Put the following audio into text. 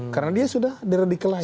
karena dia sudah deradikalis